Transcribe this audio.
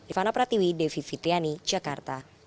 rifana pratiwi devi fitriani jakarta